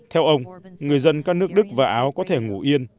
theo ông người dân các nước đức và áo có thể ngủ yên